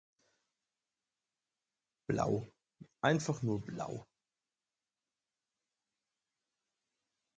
Blau, einfach nur Blau.